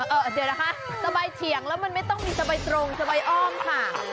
เดี๋ยวนะคะสบายเฉียงแล้วมันไม่ต้องมีสบายตรงสบายอ้อมค่ะ